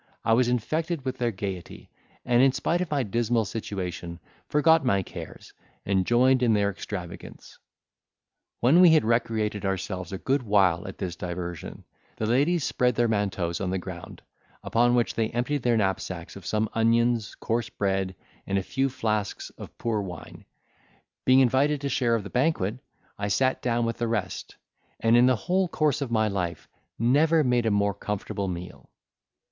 I was infected with their gaiety, and in spite of my dismal situation, forgot my cares, and joined in their extravagance. When we had recreated ourselves a good while at this diversion, the ladies spread their manteaus on the ground, upon which they emptied their knapsacks of some onions, coarse bread, and a few flasks of poor wine: being invited to a share of the banquet, I sat down with the rest, and, in the whole course of my life, never made a more comfortable meal.